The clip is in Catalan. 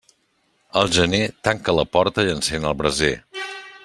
Al gener, tanca la porta i encén el braser.